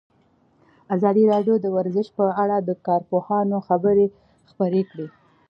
ازادي راډیو د ورزش په اړه د کارپوهانو خبرې خپرې کړي.